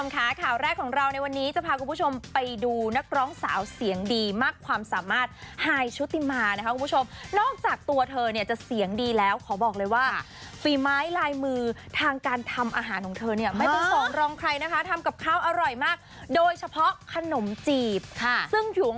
ค่ะข่าวแรกของเราในวันนี้จะพาคุณผู้ชมไปดูนักร้องสาวเสียงดีมากความสามารถไฮชุติมานะคะคุณผู้ชมนอกจากตัวเธอเนี่ยจะเสียงดีแล้วขอบอกเลยว่าฝีไม้ลายมือทางการทำอาหารของเธอเนี่ยไม่เป็นสองรองใครนะคะทำกับข้าวอร่อยมากโดยเฉพาะขนมจีบค่ะซึ่งถุง